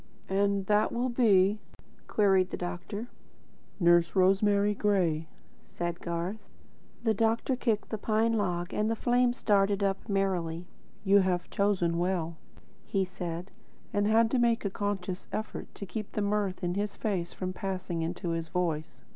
"And that will be ?" queried the doctor. "Nurse Rosemary Gray," said Garth. The doctor kicked the pine log, and the flames darted up merrily. "You have chosen well," he said, and had to make a conscious effort to keep the mirth in his face from passing into his voice.